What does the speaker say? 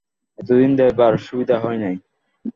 এতদিন দেবার সুবিধা হয় নাই।